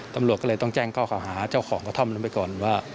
ตำรวจก็เลยต้องแจ้งข้อข่าวหาเจ้าของกระท่อมนั้นไปก่อนว่า